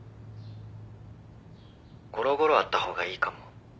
ゴロゴロあった方がいいかも。